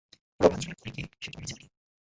প্রভাঞ্জনের খুনি কে, সেটা আমি জানি।